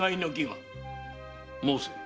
申せ。